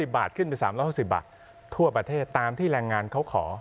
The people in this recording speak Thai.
บาทขึ้นไป๓๖๐บาททั่วประเทศตามที่แรงงานเขาขอ